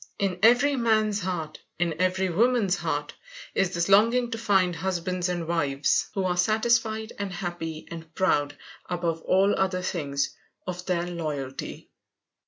In every man's heart, in every woman's, is this longing to find husbands and wives who are satisfied and happy and proud, above all other things, of their loyalty.